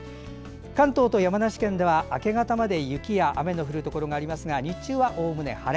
関東と山梨県では、明け方まで雪や雨の降るところがありますが日中はおおむね晴れ。